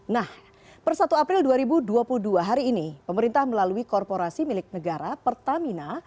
nah per satu april dua ribu dua puluh dua hari ini pemerintah melalui korporasi milik negara pertamina